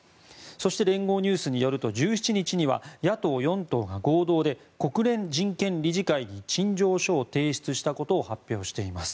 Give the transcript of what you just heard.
そして、連合ニュースによると１７日には野党４党が合同で国連人権理事会に陳情書を提出したことを発表しています。